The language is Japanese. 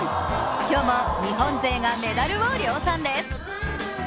今日も日本勢がメダルを量産です。